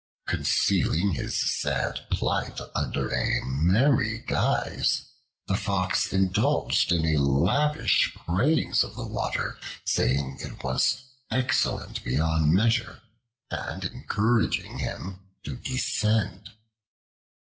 Concealing his sad plight under a merry guise, the Fox indulged in a lavish praise of the water, saying it was excellent beyond measure, and encouraging him to descend.